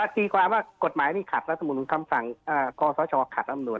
ตีความว่ากฎหมายนี้ขัดและศาลรัฐมนูลคำสั่งข้อสชขัดรัฐมนูล